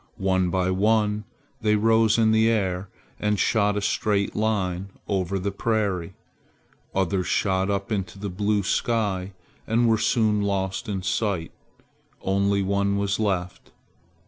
One by one they rose in the air and shot a straight line over the prairie. Others shot up into the blue sky and were soon lost to sight. Only one was left.